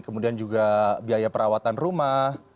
kemudian juga biaya perawatan rumah